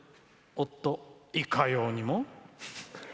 夫、いかようにも。